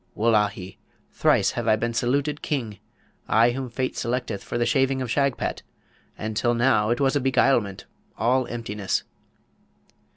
Wullahy, thrice have I been saluted King; I whom fate selecteth for the shaving of Shagpat, and till now it was a beguilement, all emptiness.'